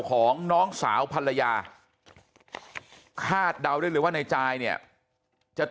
ของน้องสาวภรรยาคาดเดาได้เลยว่านายจายเนี่ยจะต้องเอาลูก